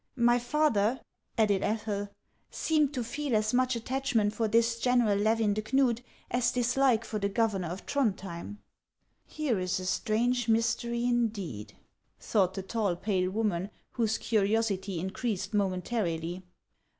My father," added Ethel, "seemed to feel as much attachment for this General Levin de Knud as dislike for the governor of Throndhjem." " Here is a strange mystery indeed !" thought the tall, pale woman, whose curiosity increased momentarily.